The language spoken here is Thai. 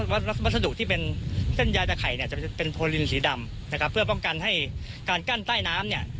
วัสดุที่เป็นเส้นยาตะไข่เนี่ยจะเป็นโพลินสีดำนะครับเพื่อป้องกันให้การกั้นใต้น้ำเนี่ย